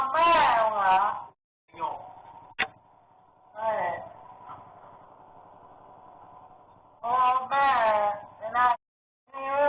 มึงให้คุณขอรถมือ